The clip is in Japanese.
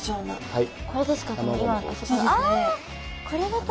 はい。